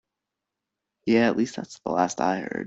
Yeah, at least that's the last I heard.